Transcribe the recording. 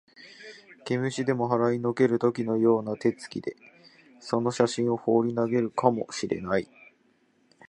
毛虫でも払いのける時のような手つきで、その写真をほうり投げるかも知れない